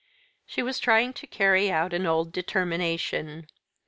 She was trying to carry out an old determination.